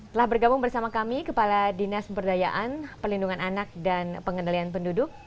telah bergabung bersama kami kepala dinas pemberdayaan pelindungan anak dan pengendalian penduduk